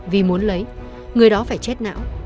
vì muốn lấy người đó phải chết não